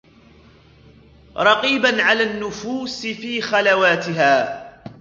رَقِيبًا عَلَى النُّفُوسِ فِي خَلَوَاتِهَا